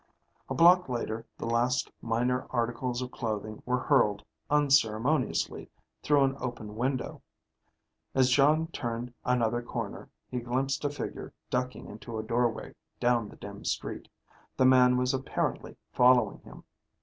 A block later the last minor articles of clothing were hurled unceremoniously through an open window. As Jon turned another corner, he glimpsed a figure ducking into a doorway down the dim street. The man was apparently following him.